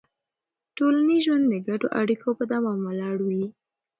ټولنیز ژوند د ګډو اړیکو په دوام ولاړ وي.